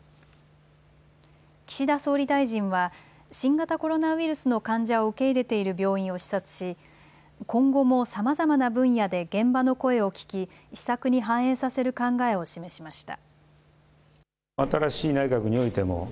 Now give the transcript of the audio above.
岸田総理大臣は新型コロナウイルスの患者を受け入れている病院を視察し今後もさまざまな分野で現場の声を聴き施策に反映させる考えを示しました。